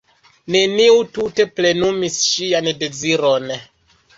Neniu tute plenumis ŝian deziron.